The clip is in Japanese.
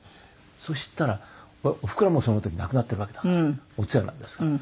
そしたらおふくろはその時亡くなっているわけだからお通夜なんですから。